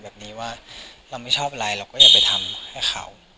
แบบนี้ว่าเราไม่ชอบอะไรเราก็อย่าไปทำให้เขา